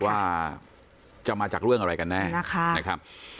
ว่าจะมาจากเรื่องอะไรกันแน่นะครับ